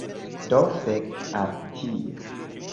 Do fek al tio